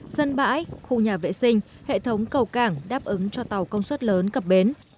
sân bãi khu nhà vệ sinh hệ thống cầu cảng đáp ứng cho tàu công suất lớn cập bến